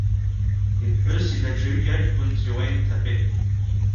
Иԥҳәыси даҽа ҩыџьа аҷкәынцәеи уа инҭатәеит.